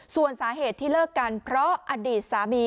ส่วนสาเหตุที่เลิกกันเพราะอดีตสามี